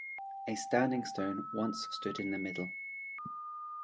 A standing stone once stood in the middle.